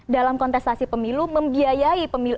dalam kontestasi pemilu membiayai